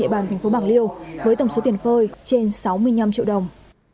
địa bàn thành phố bạc liêu với tổng số tiền phơi trên sáu mươi năm triệu đồng